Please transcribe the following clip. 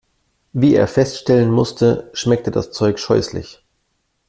Wie er feststellen musste, schmeckte das Zeug scheußlich.